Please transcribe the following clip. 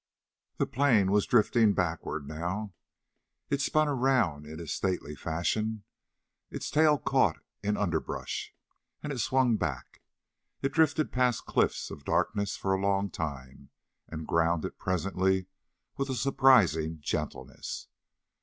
The plane was drifting backward, now. It spun around in a stately fashion, its tail caught in underbrush, and it swung back. It drifted past cliffs of darkness for a long time, and grounded, presently, with a surprising gentleness.